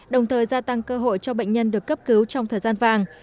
đồng thời gia tăng cơ hội cho bệnh nhân được cấp cứu trong thời gian vàng